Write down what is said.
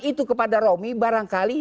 itu kepada romi barangkali